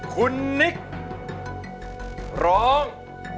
คุณนิกร้อง